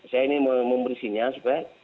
saya ini memberi sinyal supaya